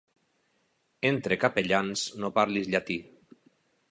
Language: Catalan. Entre capellans no parlis llatí.